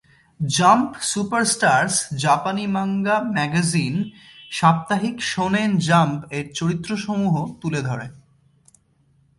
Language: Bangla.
জাম্প সুপার স্টার্স জাপানি মাঙ্গা ম্যাগাজিন "সাপ্তাহিক শোনেন জাম্প" এর চরিত্রসমূহ তুলে ধরে।